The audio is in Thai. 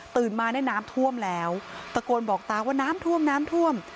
ตื่นมาได้น้ำท่วมแล้วตะโกนบอกตาว่าน้ำท่วม